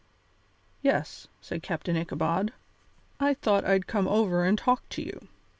"Yes," said Captain Ichabod, "I thought I'd come over and talk to you.